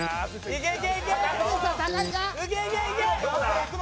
いけいけいけ！